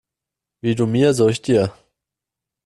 Wie du mir, so ich dir.